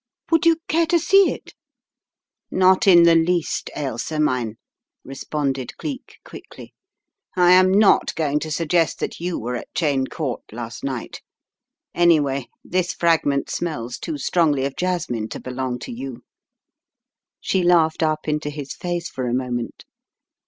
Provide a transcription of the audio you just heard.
Would you care to see it? " "Not in the least, Ailsa mine," responded Cleek, quickly. "I am not going to suggest that you were at Cheyne Court last night — anyway, this fragment smells too strongly of jasmine to belong to you/' She laughed up into his face for a moment.